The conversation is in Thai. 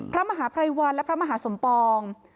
พระมหาภัยวันและพระมหาสมปอง